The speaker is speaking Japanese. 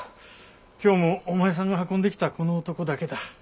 今日もお前さんが運んできたこの男だけだ。